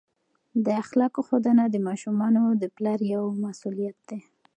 د اخلاقو ښودنه د ماشومانو د پلار یوه مسؤلیت دی.